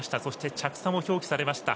着差も表記されました。